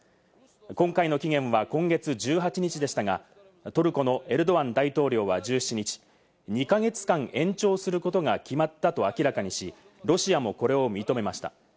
今回の期限は今月１８日でしたが、トルコのエルドアン大統領は１７日、２か月間延長することが決まったと明らかにし、ロシアもこれを認めました。